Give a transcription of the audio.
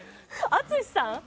淳さん？